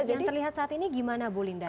yang terlihat saat ini gimana bu linda